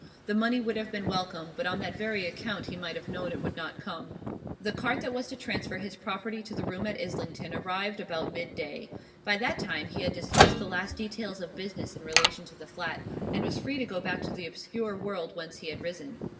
The money would have been welcome, but on that very account he might have known it would not come. The cart that was to transfer his property to the room in Islington arrived about mid day. By that time he had dismissed the last details of business in relation to the flat, and was free to go back to the obscure world whence he had risen.